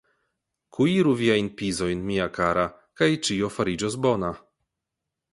Kuiru viajn pizojn, mia kara, kaj ĉio fariĝos bona!